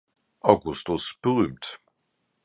Augustus berühmt.